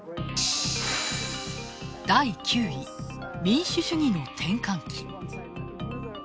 第９位、民主主義の転換期。